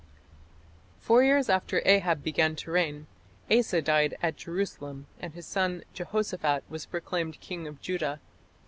Four years after Ahab began to reign, Asa died at Jerusalem and his son Jehoshaphat was proclaimed king of Judah.